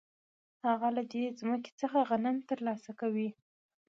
هغه له دې ځمکې څخه غنم ترلاسه کوي